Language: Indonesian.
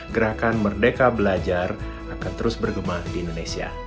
gerakan merdeka belajar akan terus bergema di indonesia